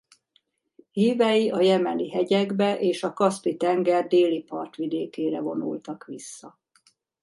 Hívei a jemeni hegyekbe és a Kaszpi-tenger déli partvidékére vonultak vissza.